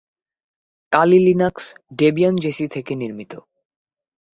কালি Linux Debian Jessie থেকে নির্মিত।